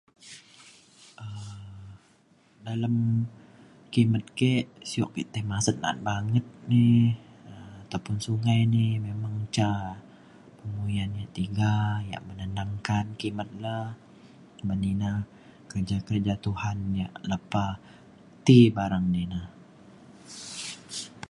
um dalem kimet ke sio ke tai masat na’at banget ni um ataupun sungai ni memang ca pemuyan ia’ tiga ia’ menenangkan kimet le ban ina kerja kerja Tuhan ia’ lepa ti barang ina